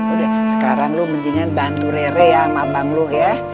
udah sekarang lo mendingan bantu rere ya sama abang lo ya